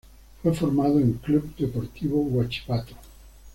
Fue formado en Club Deportivo Huachipato.